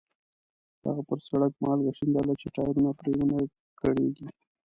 هغه پر سړک مالګه شیندله چې ټایرونه پرې ونه کړېږي.